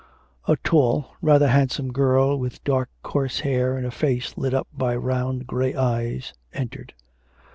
A tall, rather handsome girl, with dark coarse hair and a face lit up by round grey eyes, entered.